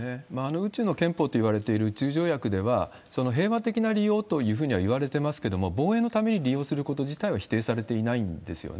宇宙の憲法といわれている宇宙条約では、その平和的な利用というふうにはいわれてますけれども、防衛のために利用すること自体は否定されていないんですよね。